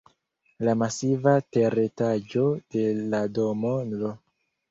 La masiva teretaĝo de la domo nr.